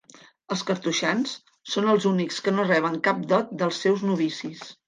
Els cartoixans són els únics que no reben cap dot dels seus novicis.